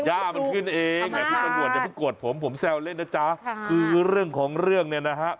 ย่ามันขึ้นเองแหละคุณตำรวจอย่าเพิ่งโกรธผมผมแซวเล่นนะจ๊ะคือเรื่องของเรื่องเนี่ยนะฮะ